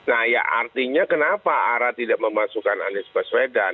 nah ya artinya kenapa arah tidak memasukkan anies baswedan